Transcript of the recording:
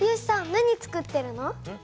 何つくってるの？